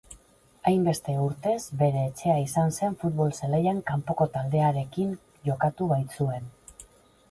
Hainbeste urtez, bere etxea izan zen futbol zelaian kanpoko taldearekin jokatu baitzuen.